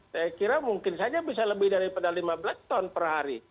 saya kira mungkin saja bisa lebih daripada lima belas ton per hari